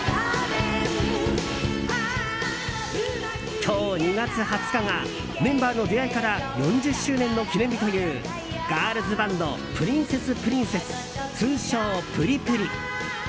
今日、２月２０日がメンバーの出会いから４０周年の記念日というガールズバンドプリンセスプリンセス通称、プリプリ。